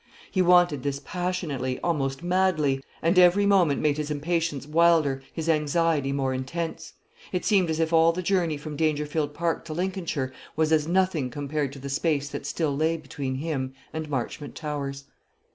He wanted this passionately, almost madly; and every moment made his impatience wilder, his anxiety more intense. It seemed as if all the journey from Dangerfield Park to Lincolnshire was as nothing compared to the space that still lay between him and Marchmont Towers.